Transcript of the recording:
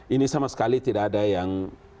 ini sama sekali tidak ada yang